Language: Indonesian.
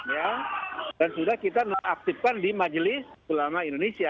ya dan sudah kita nonaktifkan di majelis ulama indonesia